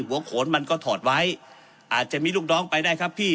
หัวโขนมันก็ถอดไว้อาจจะมีลูกน้องไปได้ครับพี่